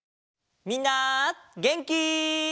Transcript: みんなげんき？